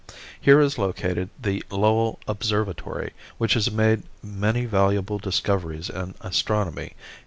Here is located the Lowell Observatory, which has made many valuable discoveries in astronomy.